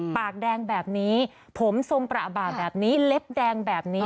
ปากแดงแบบนี้ผมทรงประบาดแบบนี้เล็บแดงแบบนี้